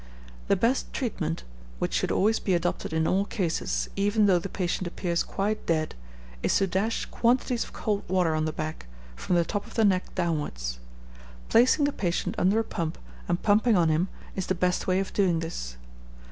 The best treatment which should always be adopted in all cases, even though the patient appears quite dead is to dash quantities of cold water on the back, from the top of the neck downwards. Placing the patient under a pump, and pumping on him, is the best way of doing this.